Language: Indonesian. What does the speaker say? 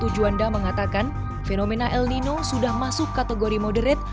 juanda mengatakan fenomena el nino sudah masuk kategori moderat